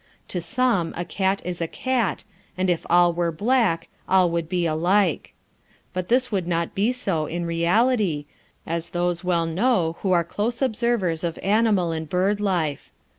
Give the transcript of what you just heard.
To some a cat is a cat, and if all were black all would be alike. But this would not be so in reality, as those well know who are close observers of animal and bird life.